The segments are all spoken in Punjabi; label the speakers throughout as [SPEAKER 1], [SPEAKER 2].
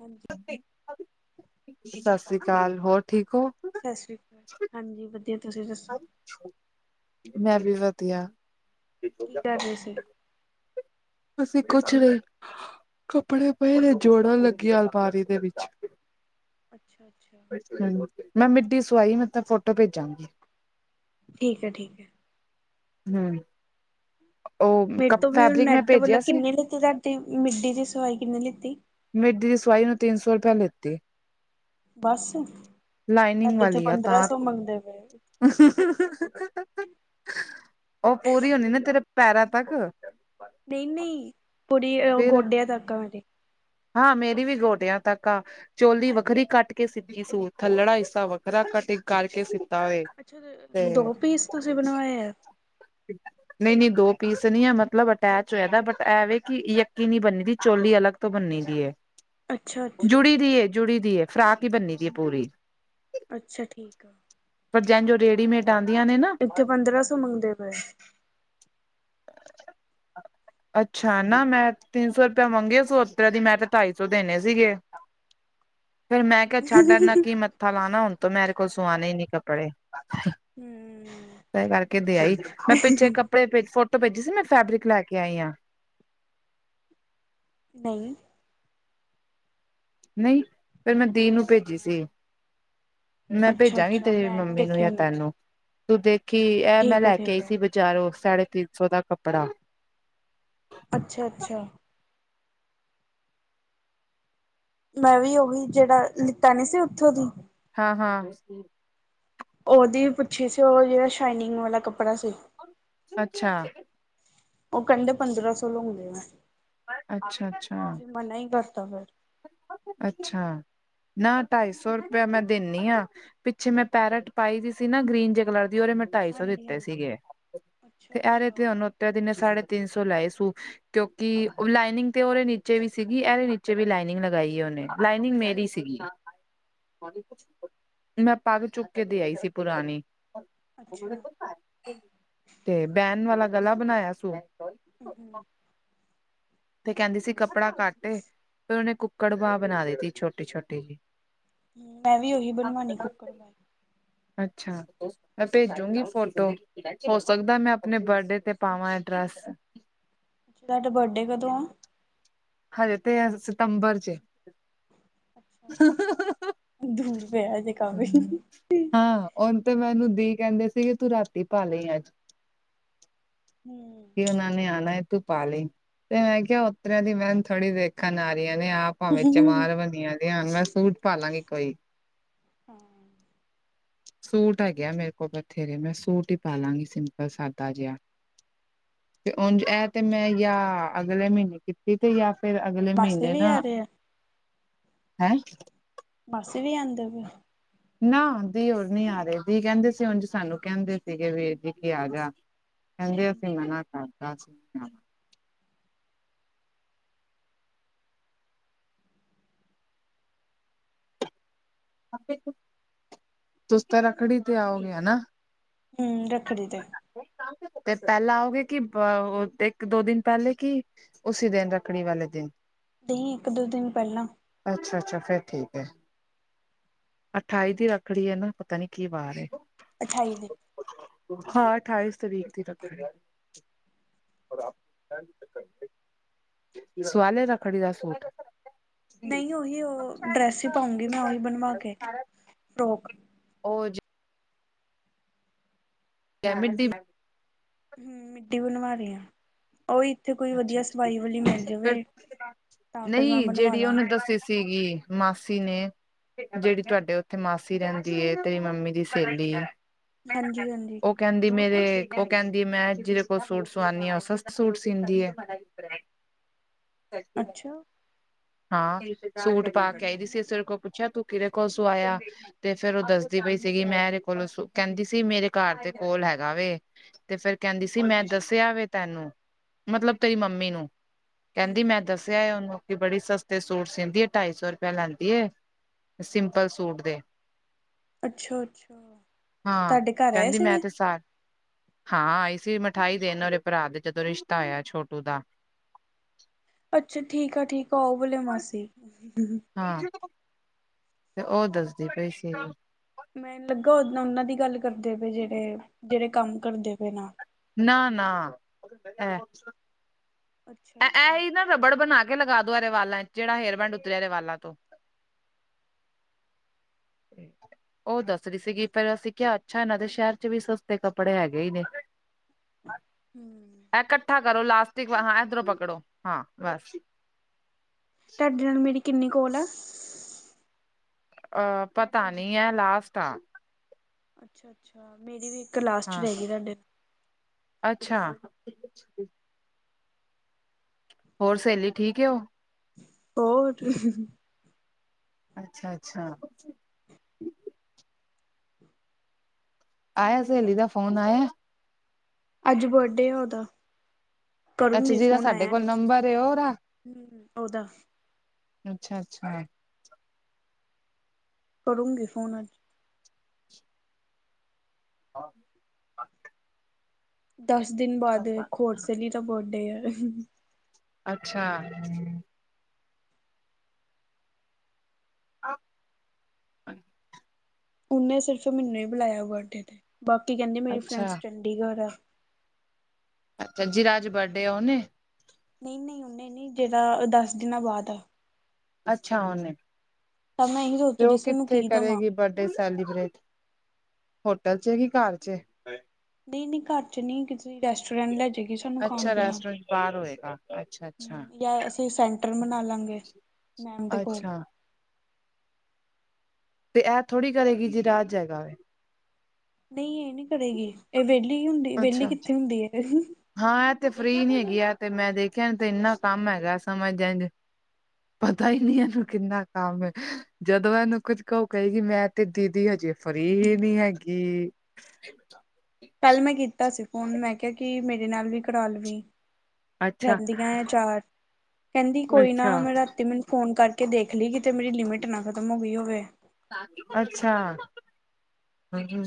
[SPEAKER 1] ਹਾਂਜੀ।
[SPEAKER 2] ਜੀ ਸਸ ਸ੍ਰੀ ਕਾਲ। ਹੋਰ ਠੀਕ ਓ?
[SPEAKER 1] ਸਸ ਸ੍ਰੀ ਕਾਲ। ਹਾਂਜੀ ਵਧੀਆ। ਤੁਸੀਂ ਦੱਸੋ?
[SPEAKER 2] ਮੈਂ ਵੀ ਵਧੀਆ।
[SPEAKER 1] ਕੀ ਕਰ ਰੇ ਸੀ?
[SPEAKER 2] ਅਸੀਂ ਕੁਛ ਨਈ। ਕੱਪੜੇ ਪਏ ਨੇ, ਜੋੜਨ ਲੱਗੀ ਆਂ ਅਲਮਾਰੀ ਦੇ ਵਿੱਚ।
[SPEAKER 1] ਅੱਛਾ-ਅੱਛਾ।
[SPEAKER 2] ਮੈਂ ਮਿੱਡੀ ਸੁਆਈ ਏ। ਮੈ ਤੇਨੰ ਫੋਟੋ ਭੇਜਾਂਗੀ।
[SPEAKER 1] ਠੀਕ ਐ-ਠੀਕ ਐ।
[SPEAKER 2] ਹੂੰ। ਉਹ
[SPEAKER 1] ਫੇਰ ਤੋਂ ਓ ਵੀ ਓ
[SPEAKER 2] ਫੈਬਰਿਕ ਮੈਂ
[SPEAKER 1] ਨੈੱਟ ਭਲਾ
[SPEAKER 2] ਭੇਜਿਆ ਸੀ
[SPEAKER 1] ਕਿੰਨੇ ਲੀਤੀ ਤਾਡੀ, ਮਿੱਡੀ ਦੀ ਸਵਾਈ ਕਿੰਨੀ ਲੀਤੀ।
[SPEAKER 2] ਮਿੱਡੀ ਦੀ ਸਵਾਈ ਓਨੇ ਤਿੰਨ ਸੌ ਰੁਪਿਆ ਲਿੱਤੀ
[SPEAKER 1] ਬਸ।
[SPEAKER 2] ਲਾਈਨਿੰਗ
[SPEAKER 1] ਸਾਡੇ ਤੇ
[SPEAKER 2] ਵਾਲੀ ਆ
[SPEAKER 1] ਪੰਦਰਾਂ
[SPEAKER 2] ਤਾਂ
[SPEAKER 1] ਸੌ ਮੰਗਦੇ ਪਏ।
[SPEAKER 2] ਓ ਪੂਰੀ ਹੋਨੀ ਨਾ ਤੇਰੇ ਪੈਰਾਂ ਤੱਕ।
[SPEAKER 1] ਨਈ-ਨਈ ਪੁੜੀ ਅ ਓ
[SPEAKER 2] ਫਿਰ
[SPEAKER 1] ਗੋਡਿਆਂ ਤੱਕ ਆ ਓਨ ਦੇ।
[SPEAKER 2] ਹਾਂ, ਮੇਰੀ ਵੀ ਗੋਡਿਆਂ ਤੱਕ ਆ। ਚੋਲੀ ਵੱਖਰੀ ਕਾੱਟ ਕੇ ਸੀਤੀ ਸੂ, ਥੱਲੜਾ ਹਿੱਸਾ ਵੱਖਰਾ ਕਟਿੰਗ ਕਾਰਕੇ ਸੀ
[SPEAKER 1] ਅੱਛਾ ਤੇ, ਦੋ ਪੀਸ ਤੂਸੀ ਬਨਵਾਏ ਐ?
[SPEAKER 2] [inaudible] ਨਈ-ਨਈ ਦੋ ਪੀਸ ਨੀ ਐ ਮਤਲਬ ਅਟੈਚ ਹੋਏਦੈ ਬਟ ਐਵੇ ਕਿ ਯੱਕੀ ਨੀ ਬੱਨੀ ਦੀ ਚੋਲੀ ਅਲੱਗ ਤੋ ਬੰਨੀ ਦੀ ਏ,
[SPEAKER 1] ਅੱਛਾ ਅੱਛਾ
[SPEAKER 2] ਜੁੜੀ ਦੀ ਏ, ਜੁੜੀ ਦੀ ਏ, ਫਰਾਕ ਈ ਬੰਨੀ ਦੀ ਏ ਪੂਰੀ।
[SPEAKER 1] ਅੱਛਾ, ਠੀਕ ਆ।
[SPEAKER 2] ਪਰ ਜੇਨ ਜੋ ਰੇਡੀਮੇਟ ਦਾਂਦੀਆਂ ਨੇ ਨਾ।
[SPEAKER 1] ਇੱਥੇ ਪੰਦਰਾਂ ਸੌ ਮੰਗਦੇ ਪਏ।
[SPEAKER 2] [inaudible] ਅੱਛਾ, ਨਾ ਮੈਂ ਤਿੰਨ ਸੌ ਰੁਪੇਆ ਮੰਗੇ ਸੁ, ਓਤੱਰੇ ਦੀ, ਮੈਂ ਤੇ ਢਾਈ ਸੌ ਦੇਨੇ ਸੀਗੇ। ਫੇਰ ਮੈਂ ਕੇਆ ਛਾੱਡ, ਏਦੇ ਨਾਲ ਕਿ ਮੱਥਾ ਲਾਨਾ ਹੁਨ ਤੋਂ ਮੈਂ ਏਦੇ ਕੋਲ ਸੁਆਨੇ ਈ ਨੀ ਕੱਪੜੇ। [unintelligible]
[SPEAKER 1] ਹੂੰ।
[SPEAKER 2] ਤੈ ਕਾਰਕੇ ਦੇ ਆਈ, ਮੈਂ ਪਿੱਛੇ ਕੱਪੜੇ [unintelligible] ਟੋ ਭੇਜੀ ਸੀ ਨਾ, ਫੈਬਰਿਕ ਲੈ ਕੇ ਆਈ ਆਂ?
[SPEAKER 1] ਨਈ।
[SPEAKER 2] ਨਈ, ਫੇਰ ਮੈਂ ਦੀ ਨੂੰ ਭੇਜੀ ਸੀ। ਮੈਂ
[SPEAKER 1] ਅੱਛਾ
[SPEAKER 2] ਭੇਜਾਂਗੀ,
[SPEAKER 1] ਅੱਛਾ
[SPEAKER 2] ਤੇਰੀ
[SPEAKER 1] ਮੈਂ ਨੀ
[SPEAKER 2] ਮੰਮੀ ਨੂੰ
[SPEAKER 1] ਦੇਖੇ
[SPEAKER 2] ਯਾ
[SPEAKER 1] ਹੁਣ
[SPEAKER 2] ਤੈਨੂੰ। ਤੂੰ ਦੇਖੀ, ਐ ਮੈਂ
[SPEAKER 1] ਠੀਕ ਹੈ
[SPEAKER 2] ਲੈ ਕੇ
[SPEAKER 1] ਠੀਕ
[SPEAKER 2] ਆਈ
[SPEAKER 1] ਹੈ।
[SPEAKER 2] ਸੀ ਬਜਾਰੋਂ ਸਾਡੇ ਤਿੰਨ ਸੌ ਦਾ ਕੱਪੜਾ।
[SPEAKER 1] ਅੱਛਾ-ਅੱਛਾ। ਮੈਂ ਵੀ ਉਹੀ ਜੇੜਾ ਲੀਤਾ ਨੀ ਸੀ ਓਥੋਂ ਦੀ
[SPEAKER 2] ਹਾਂ-ਹਾਂ।
[SPEAKER 1] ਓਦੀ ਪੁੱਛੀ ਸੀ, ਓ ਜੇੜਾ ਸ਼ਾਈਨਿੰਗ ਵਾਲਾ ਕੱਪੜਾ ਸੀ।
[SPEAKER 2] ਅੱਛਾ।
[SPEAKER 1] ਓ ਕੈਂਦੇ ਪੰਦਰਾਂ ਸੋ ਲਉਂਗੀ ਮੈਂ,
[SPEAKER 2] ਅੱਛਾ ਅੱਛਾ
[SPEAKER 1] ਅਸੀ ਮਨਾ ਈ ਕਾਰਤਾ ਫੇਰ।
[SPEAKER 2] ਅੱਛਾ, ਨਾ ਢਾਈ ਸੌ ਰੁਪੇਆ ਮੈਂ ਦੇਨੀ ਆ। ਪਿੱਛੇ ਮੈਂ ਪੈਰਟ ਪਾਈ ਦੀ ਸੀ ਨਾ, ਗ੍ਰੀਨ ਜੇ ਕਲਰ ਦੀ ਓਦੇ ਮੈਂ ਢਾਈ ਸੌ
[SPEAKER 1] ਹਾਂਜੀ
[SPEAKER 2] ਦਿੱਤੇ
[SPEAKER 1] ਹਾਂਜੀ
[SPEAKER 2] ਸੀਗੇ,
[SPEAKER 1] ਅੱਛਾ
[SPEAKER 2] ਤੇ ਏਦੇ
[SPEAKER 1] ਅੱਛਾ
[SPEAKER 2] ਤੇ ਹੋਨ ਓ ਤਰੇਦੀ ਨੇ ਸਾਡੇ ਤਿੰਨ ਸੌ ਲਏ ਸੂ, ਕਿਓ ਕਿ ਲਾਈਨਿੰਗ ਤੇ ਓਰੇ ਨੀਚੇ ਵੀ ਸੀਗੀ, ਐਰੇ ਨੀਚੇ ਵੀ ਲਾਈਨਿੰਗ ਲਗਾਈ ਏ ਓਨੇ। ਲਾਈਨਿੰਗ ਮੇਰੀ ਸੀਗੀ। ਮੈਂ ਪਾੱਗ ਚੁੱਕ ਕੇ ਦੇ ਆਈ ਸੀ ਪੁਰਾਨੀ।
[SPEAKER 1] ਅੱਛਾ
[SPEAKER 2] [unintelligible] ਤੇ ਬੈਨ ਵਾਲਾ ਗਲਾ ਸੂ।
[SPEAKER 1] ਹੂੰ, ਹੂੰ।
[SPEAKER 2] ਤੇ ਕੈਂਦੀ ਸੀ ਕੱਪੜਾ ਘਾੱਟ ਏ, ਫੇਰ ਉਨੇ ਕੁੱਕੜ ਬਾਂ ਬਨਾ ਦਿੱਤੀ ਛੋਟੀ-ਛੋਟੀ ਜੀ।
[SPEAKER 1] ਹੂੰ, ਮੈਂ ਵੀ ਓਹੀ ਬਨਵਾਨੀ ਕੁੱਕੜ ਬਾਂ।
[SPEAKER 2] ਅੱਛਾ, ਮੈਂ ਭੇਜੂਗੀ ਫੋਟੋ। ਹੋ ਸਕਦੈ ਮੈਂ ਅਪਨੇ ਬਰਡੇ ਤੇ ਪਾਵਾਂ ਐ ਡਰੈਸ।
[SPEAKER 1] ਕੱਦ ਬਰਡੇ ਕਦੋਂ ਐਂ?
[SPEAKER 2] ਹਜੇ ਤੇ ਸਤੰਬਰ ਚ ਏ।
[SPEAKER 1] ਅੱਛਾ ਅੱਛਾ ਦੂਰ ਪਿਆ ਹਜੇ ਕਾਫੀ
[SPEAKER 2] [inaudible] ਹਾਂ, ਓਨ ਤੇ ਮੈਨੂੰ ਦੀ ਕੈਂਦੇ ਸੀਗੇ, ਤੂੰ ਰਾਤੀ ਪਾ ਲਈ ਅੱਜ।
[SPEAKER 1] ਹੂੰ।
[SPEAKER 2] ਓਨਾਂ ਨੇ ਆਨੈ, ਤੂੰ ਪਾ ਲਈ, ਤੇ ਮੈਂ ਕੇਆ ਓਤਰੇਆਂ ਦੀ ਮੈਨ ਥੋੜੀ ਵੇਖਨ ਆ ਰੀਆਂ ਨੇ ਆਪ ਭਾਵੇਂ
[SPEAKER 1] ਹਾਂ
[SPEAKER 2] ਚਮਾਰ ਬਨੀਆਂ ਦੀਆਂ ਹੋਨ, ਮੈਂ ਸੂਟ ਪਾਲਾਂਗੀ ਕੋਈ।
[SPEAKER 1] ਹਮ।
[SPEAKER 2] ਸੂਟ ਹੈਗੇ ਮੇਰੇ ਕੋਲ ਬਥੇਰੇ, ਮੈਂ ਸੂਟ ਹੀ ਪਾਲਾਂਗੀ ਸਿੰਪਲ, ਸਾਦਾ ਜਿਆ। ਤੇ ਉਂਝ ਐ, ਤੇ ਮੈਂ ਯਾਂ ਅਗਲੇ ਮਹੀਨੇ ਤੇ ਇਹ ਤੇ ਜਾਂ ਫੇਰ ਅਗਲੇ
[SPEAKER 1] ਮਾਸੀ
[SPEAKER 2] ਮਹੀਨੇ
[SPEAKER 1] ਵੀ
[SPEAKER 2] ਨਾ
[SPEAKER 1] ਆ ਰਹੇ ਆ
[SPEAKER 2] ਹੈਂ?
[SPEAKER 1] ਮਾਸੀ ਵੀ ਆਉਂਦੇ ਪੇ?
[SPEAKER 2] ਨਾ, ਦੀ ਹੁਣ ਨੀ ਆ ਰਏ। ਦੀ ਕਹਿੰਦੇ ਸੀ, ਉਂਝ ਸਾਨੂੰ ਕਹਿੰਦੇ ਸੀਗੇ ਵੀ, ਜੀ ਕੇ ਆ ਜਾ। ਕਹਿੰਦੇ ਅਸੀਂ ਮਨਾ ਕਰਤਾ ਸੀਗਾ। [unintelligible] ਤੁਸੀਂ ਤਾਂ ਰੱਖੜੀ 'ਤੇ ਆਉਗੇ, ਹਨਾ?
[SPEAKER 1] ਹਮ, ਰੱਖੜੀ ਤੇ।
[SPEAKER 2] ਤੇ ਪਹਿਲਾਂ ਆਓਗੇ ਕੇ ਪ ਅ ਇੱਕ-ਦੋ ਦਿਨ ਪਹਿਲੇ ਕੀ ਉਸੀ ਦਿਨ, ਰੱਖੜੀ ਵਾਲੇ ਦਿਨ?
[SPEAKER 1] ਨਹੀਂ, ਇੱਕ-ਦੋ ਦਿਨ ਪਹਿਲਾਂ।
[SPEAKER 2] ਅੱਛਾ ਅੱਛਾ, ਫੇਰ ਠੀਕ ਐ। ਅਠਾਈ ਦੀ ਰੱਖੜੀ ਐ ਨਾ?, ਪਤਾ ਨੀ ਕੀ ਵਾਰ ਐ।
[SPEAKER 1] ਅੱਠਾਈ ਦੀ।
[SPEAKER 2] ਹਾਂ, ਅਠਾਈਸ ਤਾਰੀਕ ਦੀ ਰੱਖੜੀ [unintelligible] ਸਵਾਲਿਆ ਰੱਖੜੀ ਦਾ ਸੂਟ?
[SPEAKER 1] ਨਹੀਂ, ਉਹੀ, ਉਹ ਡ੍ਰੇਸ ਹੀ ਪਾਉਂਗੀ ਮੈਂ, ਓਹੀ ਬਣਵਾ ਕੇ, ਫਰੋਕ।
[SPEAKER 2] ਉਹ ਜ ਕੈਮੀਡੀ ਮ
[SPEAKER 1] ਹਮ, ਮੀਡੀ ਬਣਵਾ ਲਈ ਆ, ਓਇ
[SPEAKER 2] ਅੱਛਾ ਅੱਛਾ, ਪਰ
[SPEAKER 1] ਤਾਂ ਫਿਰ ਮੈਂ
[SPEAKER 2] ਨਈ,
[SPEAKER 1] ਬਣਵਾ
[SPEAKER 2] ਜਿਹੜੀ
[SPEAKER 1] ਲਾ
[SPEAKER 2] ਉਹਨੇ ਦੱਸੀ ਸੀ ਗੀ ਮਾਸੀ ਨੇ ਜਿਹੜੀ ਤੁਹਾਡੇ ਉੱਥੇ ਮਾਸੀ ਰਹਿੰਦੀ ਏ, ਤੇਰੀ ਮੰਮੀ ਦੀ ਸਹੇਲੀ
[SPEAKER 1] ਹਾਂਜੀ-ਹਾਂਜੀ।
[SPEAKER 2] ਉਹ ਕਹਿੰਦੀ ਮੇਰੇ ਉਹ ਕਹਿੰਦੀ, ਮੈਂ ਜਿਹਦੇ ਕੋਲ ਸੂਟ ਸਵਾਉਨੀ ਆ, ਉਹ ਸਸਤੇ ਸੂਟ ਸੀਂਦੀ ਏ,
[SPEAKER 1] ਅੱਛਾ
[SPEAKER 2] ਹਾਂ। ਸੂਟ ਪਾ ਕੇ
[SPEAKER 1] ਮੈਨੂੰ
[SPEAKER 2] ਆਈਦੀ
[SPEAKER 1] ਨੀ
[SPEAKER 2] ਸੀ, ਅਸੀਂ
[SPEAKER 1] ਪਤਾ
[SPEAKER 2] ਉਹਦੇ ਕੋਲ ਪੁੱਛਿਆ ਤੂੰ ਕਿਹਦੇ ਕੋਲ ਸੁਵਾਇਆ! ਤੇ ਫੇਰ ਓ ਦੱਸਦੀ ਪਈ ਸੀਗੀ, ਮੈਂ ਇਹਦੇ ਕੋਲ ਸੂ ਕਹਿੰਦੀ ਸੀ, ਮੇਰੇ ਘਰ ਦੇ ਕੋਲ ਹੈਗਾ ਵੇ। ਤੇ ਫੇਰ ਕਹਿੰਦੀ ਸੀ, ਮੈਂ
[SPEAKER 1] ਹਮ
[SPEAKER 2] ਦੱਸਿਆ ਵੇ ਤੈਨੂੰ ਮਤਲਬ ਤੇਰੀ ਮੰਮੀ ਨੂੰ, ਕਹਿੰਦੀ ਮੈਂ
[SPEAKER 1] ਹਮ
[SPEAKER 2] ਦੱਸ ਦੱਸਿਆ ਉਹਨੂੰ, ਕਿ ਬੜੀ ਸਸਤੇ ਸੂਟ ਸੀਂਦੀ ਏ, ਢਾਈ ਸੌ ਰੁਪਇਆ ਲੈਂਦੀ ਏ ਸਿੰਪਲ ਸੂਟ ਦੇ।
[SPEAKER 1] ਅੱਛਾ-ਅੱਛਾ!
[SPEAKER 2] ਹਾਂ
[SPEAKER 1] ਤੁਹਾਡੇ ਘਰ ਆਏ
[SPEAKER 2] ਕਹਿੰਦੀ ਮੈਂ
[SPEAKER 1] ਸੀਗੇ!
[SPEAKER 2] ਤੇ ਸਾਰ ਹਾਂ, ਆਏ ਸੀ ਮਿਠਾਈ ਦੇਣ, ਓਦੇ ਭਰਾ ਦੇ ਜਦੋਂ ਰਿਸ਼ਤਾ ਹੋਇਆ ਛੋਟੂ ਦਾ।
[SPEAKER 1] ਅੱਛਾ, ਠੀਕ ਆ, ਠੀਕ ਆ, ਓ ਵਾਲੇ ਮਾਸੀ!
[SPEAKER 2] ਹਾਂ, ਤੇ ਉਹ ਦੱਸਦੀ ਪਈ ਸੀ।
[SPEAKER 1] ਮੈਨ ਲੱਗਾ ਓ ਉਹਨਾਂ ਦੀ ਗੱਲ ਕਰਦੇ ਪਏ ਜਿਹੜੇ, ਜਿਹੜੇ ਕੰਮ ਕਰਦੇ ਪਏ ਨਾ
[SPEAKER 2] ਨਾ, ਨਾ! ਇਹ
[SPEAKER 1] ਅੱਛਾ-ਅੱਛਾ।
[SPEAKER 2] ਹੀ ਨਾ ਰਬੜ ਬਣਾ ਕੇ ਲਗਾ ਦਿਓ ਇਹਦੇ ਵਾਲਾਂ 'ਚ, ਜਿਹੜਾ ਹੈਅਰਬੈਂਡ ਉਤਰਿਆ ਇਹਦੇ ਵਾਲਾਂ ਤੋਂ। [inaudible] ਉਹ ਦੱਸ ਰਹੀ ਸੀਗੀ, ਫੇਰ ਅਸੀਂ ਕਿਆ, ਅੱਛਾ! ਇਹਨਾਂ ਦੇ ਸ਼ੇਹਰ 'ਚ ਵੀ ਸਸਤੇ ਕਪੜੇ ਹੈਗੇ ਹੀ ਨੇ। [unintelligible]
[SPEAKER 1] ਹੂੰ।
[SPEAKER 2] ਐ ਕੱਠਾ ਕਰੋ ਲਾਸਟਿਕ ਵਾ। ਹਾਂ, ਏਧਰੋਂ ਪਕੜੋ। ਹਾਂ, ਬਸ।
[SPEAKER 1] ਤੁਆਡੇ ਨਾਲ ਮੇਰੀ ਕਿੰਨੀ ਕੌਲ ਐ?
[SPEAKER 2] ਅ ਪਤਾ ਨੀ ਐ ਲਾਸਟ ਆ।
[SPEAKER 1] ਅੱਛਾ-ਅੱਛਾ ਮੇਰੀ ਵੀ ਇੱਕ ਲਾਸਟ
[SPEAKER 2] ਹਾਂ
[SPEAKER 1] ਰੈ ਗਈ ਤੁਆਡੇ ਨਾ
[SPEAKER 2] ਅੱਛਾ। ਹੋਰ ਸਹੇਲੀ ਠੀਕ ਏ ਓ?
[SPEAKER 1] ਹੋਰ, ਠੀ
[SPEAKER 2] ਅੱਛਾ-ਅੱਛਾ। ਆਇਆ ਸਹੇਲੀ ਦਾ ਫੋਨ ਆਇਆ?
[SPEAKER 1] ਅੱਜ ਬਰਡੇ ਆ ਓਦਾ।
[SPEAKER 2] ਅੱਛਾ
[SPEAKER 1] ਕਰੂੰਗੀ
[SPEAKER 2] ਜਿਹਦਾ
[SPEAKER 1] ਫੋਨ।
[SPEAKER 2] ਸਾਡੇ
[SPEAKER 1] ਆਇਆ
[SPEAKER 2] ਕੋਲ
[SPEAKER 1] ਨੀ ਸੀ,
[SPEAKER 2] ਨੰਬਰ ਏ ਉਹਦਾ
[SPEAKER 1] ਹੂੰ, ਓਦਾ।
[SPEAKER 2] ਅੱਛਾ-ਅੱਛਾ।
[SPEAKER 1] ਕਰੂੰਗੀ ਫੋਨ, ਅੱਜ।
[SPEAKER 2] [unintelligible]
[SPEAKER 1] ਦੱਸ ਦਿਨ ਬਾਦ ਇੱਕ ਹੋਰ ਸੇਲੀ ਦਾ ਬਰਡੇ ਐ।
[SPEAKER 2] ਅੱਛਾ। [unintelligible]
[SPEAKER 1] ਉਂਨੇ ਸਿਰਫ਼ ਮਿਨੂੰ ਈ ਬੁਲਾਇਆ ਐ ਬਰਡੇ ਤੇ। ਬਾਕੀ ਕੈਂਦੀ ਮੇਰੀ
[SPEAKER 2] ਅੱਛਾ
[SPEAKER 1] ਫਰੈਂਡਸ ਚੰਡੀਗੜ੍ਹ ਐ।
[SPEAKER 2] ਅੱਛਾ, ਜਿਰਾ ਅੱਜ ਬਰਡੇ ਐ ਓਨੇਂ?
[SPEAKER 1] ਨਈ-ਨਈ ਹੁਨੇ ਨਈ ਜਿਦਾ ਅ ਦੱਸ ਦਿਨਾਂ ਬਾਦ ਐ।
[SPEAKER 2] ਅੱਛਾ ਓਨੇਂ।
[SPEAKER 1] ਤਾਂਈ ਮੈਂ ਐਹੀ ਸੋਚਦੀ ਸੀ ਕਿ ਉਨੂੰ ਕੀ ਦਵਾਂ।
[SPEAKER 2] ਕਰੇਗੀ ਤੇ ਬਰਡੇ ਸੈਲੀਬ੍ਰੇਟ, ਹੋਟਲ 'ਚ ਏ ਕਿ ਘਾਰ 'ਚ ਏ?
[SPEAKER 1] ਨੀ-ਨੀ ਘਰ 'ਚ ਨੀ, ਕਿਸੀ ਰੈਸਟੁਰੈਂਟ ਲੈਜੇਗੀ। ਏਨੂੰ ਖਾਨ
[SPEAKER 2] ਅੱਛਾ
[SPEAKER 1] ਪੀਲਾਨ
[SPEAKER 2] ਰੈਸਟੋਰੈਂਟ ਬਾਹਰ ਹੋਏਗਾ ਅੱਛਾ ਅੱਛਾ
[SPEAKER 1] ਯਾਂ ਅਸੀਂ ਸੈਂਟਰ ਮਨਾ ਲਾਂਗੇ ਮੈਮ ਦੇ ਕੋਲ।
[SPEAKER 2] ਅੱਛਾ ਤੇ ਐ ਥੋੜੀ ਕਰੇਗੀ ਜਿਰਾ ਅੱਜ ਹੈਗਾ ਵੇ।
[SPEAKER 1] ਨਈ ਏ ਨੀ ਕਰੇਗੀ। ਏ ਵੇਲੀ ਈ ਨੀ ਹੁੰਦੀ। ਵੇਲੀ
[SPEAKER 2] ਅੱਛਾ
[SPEAKER 1] ਕਿੱਥੇ ਹੁੰਦੀ ਏ।
[SPEAKER 2] ਹਾਂ, ਐ ਤੇ ਫ੍ਰੀ ਈ ਨੀ ਹੈਗੀ ਐ ਤੇ ਮੈਂ ਦੇਖਿਐ ਐਂਨੰ ਤੇ ਏਨਾਂ ਕੰਮ ਹੈਗੈ ਸਮਝ ਜੈਂਝ ਪਤਾ ਈ ਨੀ ਏਨੂੰ
[SPEAKER 1] ਹਮ
[SPEAKER 2] ਕਿੰਨਾ ਕੰਮ ਏ। ਜਦੋਂ ਐਨੂੰ ਕੁੱਝ ਕਓ ਕਏਗੀ ਮੈਂ ਤੇ ਦੀਦੀ ਹਜੇ ਫ੍ਰੀ ਹੀ ਨੀ ਹੈਗੀ।
[SPEAKER 1] ਪੈੱਲ ਮੈਂ ਕੀਤਾ ਸੀ ਫੋਨ। ਮੈਂ ਕਿਆ ਕਿ ਮੇਰੇ ਨਾਲ ਵੀ ਕਰਾ ਲਵੀਂ
[SPEAKER 2] ਅੱਛਾ,
[SPEAKER 1] ਰੈਂਦੀਆਂ ਏ ਚਾਰ। ਕੈਂਦੀ ਕੋਈ ਨਾ
[SPEAKER 2] ਅੱਛਾ,
[SPEAKER 1] ਮੈਂ ਰਾਤੀ ਮਿੰਨੂੰ ਫੋਨ ਕਰਕੇ ਦੇਖ ਲਈ ਕਿਤੇ ਮੇਰੀ ਲਿਮਿਟ ਨਾ ਖਤਮ ਹੋ ਗਈ ਹੋਵੇ।
[SPEAKER 2] ਅੱਛਾ, ਹੂੰ।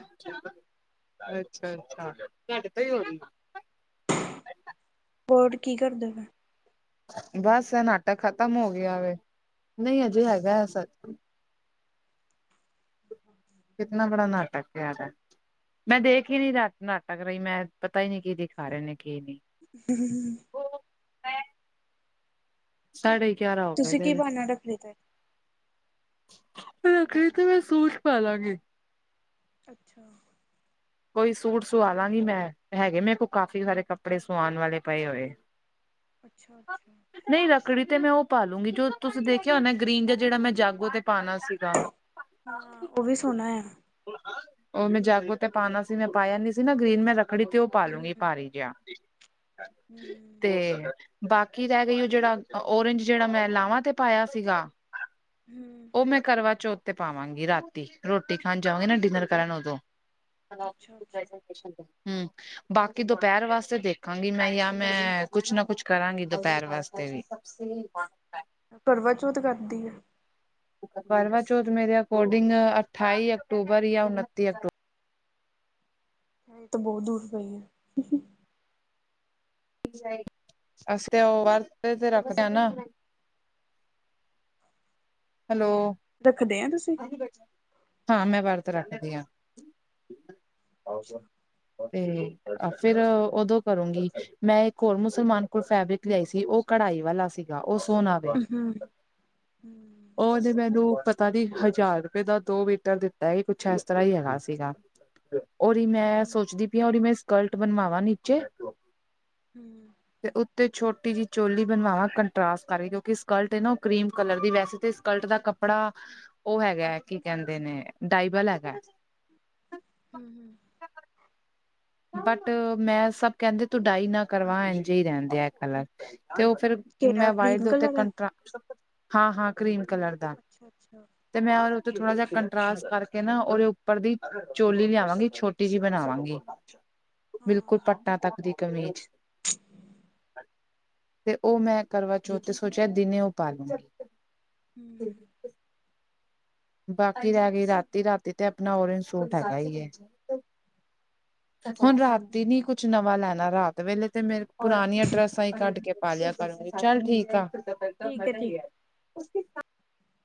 [SPEAKER 2] ਅੱਛਾ-ਅੱਛਾ। ਤੁਆਡੇ ਤੇ ਈ ਹੋ ਰੀ। [unintelligible]
[SPEAKER 1] ਬੋਰਡ ਕੀ ਕਰਦਾ ਪਿਐ।
[SPEAKER 2] ਬਸ ਐ ਨਾਟਕ ਖਤਮ ਹੋ ਗਿਆ ਵੇ। ਨਹੀਂ ਅਜੇ ਹੈਗਾ ਐ ਸੱਚ ਕਿਤਨਾ ਬੜਾ ਨਾਟਕ ਪਿਆ ਦੈ। ਮੈਂ ਦੇਖ ਈ ਨੀ ਰਾ ਨਾਟਕ ਰਈ ਮੈਂ ਪਤਾ ਈ ਨੀ ਕੀ ਦਿਖਾ ਰੇ ਨੇ, ਕੀ ਨੀ।
[SPEAKER 1] [unintelligible]
[SPEAKER 2] ਸਾਢੇ ਗਿਆਰਾਂ ਹੋ ਕੇ
[SPEAKER 1] ਤੁਸੀਂ ਕੀ
[SPEAKER 2] ਤੇਰੇ
[SPEAKER 1] ਬਹਾਨਾ ਰੱਖ ਲਿੱਤਾ
[SPEAKER 2] ਰੱਖੜੀ ਤੇ ਵੀ ਸੂਟ ਪਾ ਲਾਂਗੇ।
[SPEAKER 1] ਅੱਛਾ।
[SPEAKER 2] ਕੋਈ ਸੂਟ ਸੁਆ ਲਾਂਗੀ ਮੈਂ, ਹੈਗੇ ਮੇਰੇ ਕੋਲ ਕਾਫੀ ਸਾਰੇ ਕੱਪੜੇ ਸੁਆਣ ਵਾਲੇ ਪਏ ਹੋਏ।
[SPEAKER 1] ਅੱਛਾ-ਅੱਛਾ।
[SPEAKER 2] ਨਂਈ ਰੱਕੜੀ ਤੇ ਮੈਂ ਓ ਪਾਾਲੂੰਗੀ ਜੋ ਤੁਸੀਂ ਦੇਖੇਆ ਹੋਣਾ ਗ੍ਰੀਨ ਜਾਂ ਜੇਹੜਾ ਮੈਂ ਜਾਗੋ ਤੇ ਪਾਣਾ ਸੀਗਾ।
[SPEAKER 1] ਹਾਂ ਓ ਵੀ ਸੋਣਾ ਐ।
[SPEAKER 2] ਓ ਮੈਂ ਜਾਗੋ ਤੇ ਪਾਨਾ ਸੀ, ਮੈਂ ਪਾਇਆ ਨੀ ਸੀ ਨਾ ਗ੍ਰੀਨ ਮੈਂ ਰੱਖੜੀ ਤੇ ਓ ਪਾਾਲੂੰਗੀ
[SPEAKER 1] ਹਮ
[SPEAKER 2] ਭਾਰੀ ਜੇਆ, ਤੇ ਬਾਕੀ ਰੈ ਗਈ ਓ ਜੇਹੜਾ ਓਰੇਂਜ ਜੇਹੜਾ ਮੈਂ ਲਾਵਾਂ ਤੇ ਪਾਆ ਸੀਗਾ।
[SPEAKER 1] ਹੂਂ।
[SPEAKER 2] ਓ ਮੈਂ ਕਰਵਾ ਚੌਥ ਤੇ ਪਾਵਾਂਗੀ ਰਾਤੀ ਰੋਟੀ ਖਾਣ ਜਾਵਾਂਗੀ ਨਾ ਡਿਨਰ ਕਰਨ ਓਦੋਂ
[SPEAKER 1] ਅੱਛਾ ਅੱਛਾ
[SPEAKER 2] [unintelligible] ਹੂੰ। ਬਾਕੀ ਦੋਪੈਹਰ ਵਾਸਤੇ ਦੇਖਾਂਗੀ ਮੈਂ ਯਾਂ ਮੈਂ ਕੁਛ ਨਾ ਕੁਛ ਕਰਾਂਗੀ ਦੋਪੈਹਰ ਵਾਸਤੇ ਵੀ [inaudible]
[SPEAKER 1] ਕਰਵਾਚੋਥ ਕਦ ਦੀ ਐ?
[SPEAKER 2] ਕਰਵਾ ਚੌਥ ਮੇਰੇ ਅਕੋਰਡਿੰਗ ਅਠਾਈ ਅਕਤੂਬਰ ਜਾਂ ਉਨੱਤੀ ਅਕਤੂਬਰ
[SPEAKER 1] ਏ ਤਾਂ ਬਹੁਤ ਦੂਰ ਪਈ ਐ।
[SPEAKER 2] ਅਸੀਂ ਤੇ ਓ ਵਰਤ ਤੇ-ਤੇ ਰੱਖਦੇ ਆ ਨਾ। ਹੈਲੋ।
[SPEAKER 1] ਰੱਖਦੇ ਐਂ ਤੁਸੀਂ
[SPEAKER 2] ਹਾਂ ਮੈਂ ਵਰਤ ਰੱਖਦੀ ਆ। ਤੇ ਫੇਰ ਓਦੋਂ ਕਰੂੰਗੀ, ਮੈਂ ਇੱਕ ਹੋਰ ਮੁਸਲਮਾਨ ਕੋਲ ਫੈਬਰਿਕ ਲੇਆਈ ਸੀ। ਓਹ ਕਢਾਈ ਵਾਲਾ ਸੀਗਾ, ਓਹ ਸੋਨਾ
[SPEAKER 1] ਹੂੰ।
[SPEAKER 2] ਓ ਤੇ ਮੈਨੂੰ ਪਤਾ ਨੀ ਹਜ਼ਾਰ ਰੁਪਏ ਦਾ ਦੋ ਮੀਟਰ ਦਿੱਤਾ। ਏਹ ਕੁਛ ਐਸ ਤਰ੍ਹਾਂ ਈ ਹੈਗਾ ਸੀਗਾ। ਓਦੀ ਮੈਂ ਸੋਚਦੀ ਪਈ ਆ ਓਦੀ ਮੈਂ ਸਕਰਟ ਬਣਵਾਵਾਂ ਨੀਚੇ
[SPEAKER 1] ਹੂੰ।
[SPEAKER 2] ਤੇ ਉੱਤੇ ਛੋਟੀ ਜੀ ਚੋਲੀ ਬਣਵਾਵਾਂ, ਕੰਟਰਾਸਟ ਕਰਕੇ ਕਿਉਂਕਿ ਸਕਲਟ ਨਾ ਓ ਕਰੀਮ ਕਲਰ ਦੀ ਵੈਸੇ ਤੇ ਸਕਲਟ ਦਾ ਕੱਪੜਾ, ਓ ਹੈਗਾ ਕੀ ਕੈਹੰਦੇ ਨੇ, ਡਾਇ ਵਾਲਾ ਹੈਗਾ।
[SPEAKER 1] ਹੂਂ-ਹੂਂ।
[SPEAKER 2] ਬਟ ਮੈਂ ਸਬ ਕੈਹੰਦੇ ਤੂੰ ਡਾਈ ਨਾ ਕਰਵਾ ਇੰਝੇ ਈ ਰੈਣ ਦੇ ਐ ਕਲਰ, ਤੇ ਓ ਫੇਰ
[SPEAKER 1] ਕਿਹੜਾ
[SPEAKER 2] ਮੈਂ ਵਾਈਟ
[SPEAKER 1] ਕਰੀਮ
[SPEAKER 2] ਦੇ ਉੱਤੇ
[SPEAKER 1] ਕਲਰ ਹੈ
[SPEAKER 2] ਕੰਟਰਾ ਸ ਟ ਹਾਂ-ਹਾਂ ਕਰੀਮ ਕਲਰ ਦਾ
[SPEAKER 1] ਅੱਛਾ-ਅੱਛਾ।
[SPEAKER 2] ਤੇ ਮੈਂ ਓਦੇ ਉੱਤੇ ਥੋੜਾ ਜੇਹਾ ਕੰਟਰਾਸਟ ਕਰਕੇ ਨਾ ਓਦੇ ਉੱਪਰ ਦੀ, ਚੋਲੀ ਲਿਆਵਾਂਗੀ ਛੋਟੀ ਜੀ ਬਣਾਵਾਂਗੀ। ਬਿਲਕੁਲ ਪੱਟਾਂ ਤੱਕ ਦੀ ਕਮੀਜ਼।
[SPEAKER 1] [inaudible]
[SPEAKER 2] ਤੇ ਓ ਮੈਂ ਕਰਵਾਚੋਥ ਤੇ ਸੋਚੇਆ ਦਿਨੇ ਓ ਪਾ ਲੂਂਗੀ।
[SPEAKER 1] ਹੂਂ।
[SPEAKER 2] ਬਾਕੀ ਰੈ ਗਈ ਰਾਤੀ, ਰਾਤੀ ਤੇ ਆਪਣਾ ਔਰੇਂਜ ਸੂਟ ਹੈਗਾ ਈ ਐ। ਹੁਣ ਰਾਤੀ ਨੀ ਕੁਛ ਨਵਾਂ ਲੈਣਾ ਰਾਤ ਵੇਲੇ ਤੇ ਮੇਰੇ ਪੁਰਾਣੀਆਂ ਡਰੈਸ ਆਈ ਕਢ ਪਾ ਲੇਆ ਕਰੂਗੀ, ਚੱਲ ਠੀਕ ਆ।
[SPEAKER 1] ਠੀਕ ਹੈ ਠੀਕ